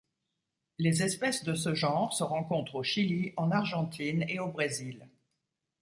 Les espèces de ce genre se rencontrent au Chili, en Argentine et au Brésil.